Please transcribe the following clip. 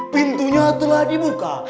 pintunya telah dibuka